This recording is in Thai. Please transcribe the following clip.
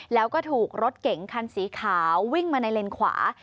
แล้วก็ถูกรถเก๋งคันสีขาววิ่งมาในเลนขวา